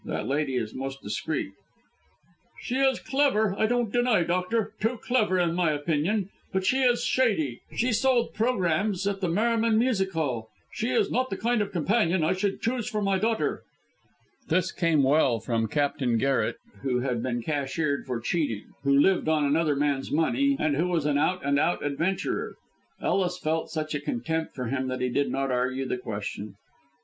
That lady is most discreet." "She is clever, I don't deny, doctor too clever, in my opinion. But she is shady. She sold programmes at the Merryman Music Hall; she is not the kind of companion I should choose for my daughter." This came well from Captain Garret, who had been cashiered for cheating, who lived on another man's money, and who was an out and out adventurer. Ellis felt such a contempt for him that he did not argue the question.